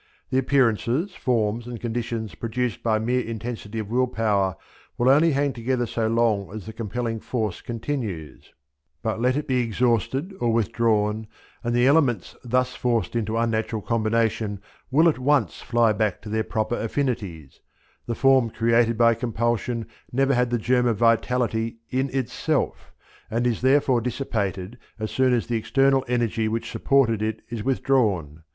The appearances, forms, and conditions produced by mere intensity of will power will only hang together so long as the compelling force continues; but let it be exhausted or withdrawn, and the elements thus forced into unnatural combination will at once fly back to their proper affinities; the form created by compulsion never had the germ of vitality in itself and is therefore dissipated as soon as the external energy which supported it is withdrawn.